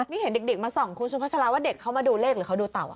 นี่เห็นเด็กมาส่องคุณสุภาษาลาว่าเด็กเขามาดูเลขหรือเขาดูเต่า